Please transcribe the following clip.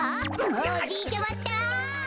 もうおじいちゃまったら。